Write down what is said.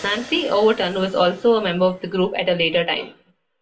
Nancy Overton also was a member of the group at a later time.